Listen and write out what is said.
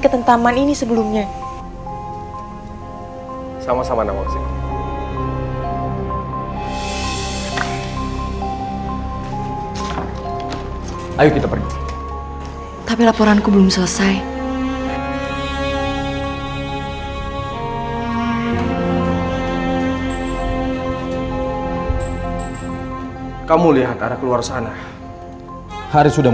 pengawang ada sesuatu yang harus dim